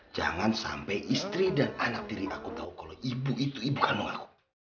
jangan sampai istri dan anak diri aku tahu kalau ibu itu ibu kandung aku